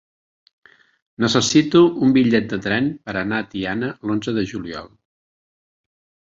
Necessito un bitllet de tren per anar a Tiana l'onze de juliol.